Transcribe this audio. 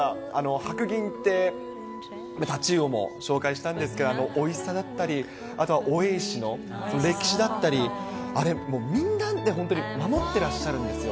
白銀って太刀魚も紹介したんですけど、おいしさだったり、あとは王位石の歴史だったり、あれ、もうみんなで本当に守ってらっしゃるんですよ。